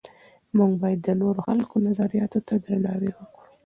موږ باید د نورو خلکو نظرونو ته درناوی وکړو.